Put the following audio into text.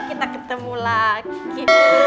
kita ketemu lagi